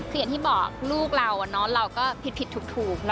คืออย่างที่บอกลูกเราเราก็ผิดถูก